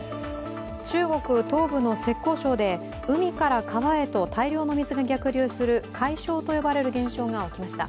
中国・東部の浙江省で海から川へと大量の水が逆流する、かいしょうと呼ばれる現象が起きました。